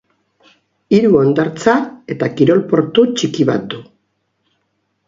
Hiru hondartza eta kirol-portu txiki bat du.